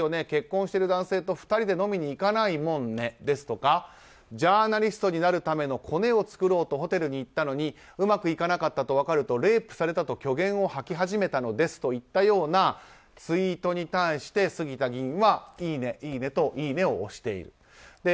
結婚している男性と２人で飲みに行かないもんねですとかジャーナリストになるためのコネを作ろうとホテルに行ったのにうまくいかなかったと分かるとレイプされたと虚言を吐き始めたのですといったようなツイートに対して杉田議員はいいねを押している。